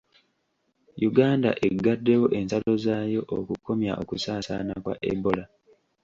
Uganda egaddewo ensalo zaayo okukomya okusaasaana kwa Ebola.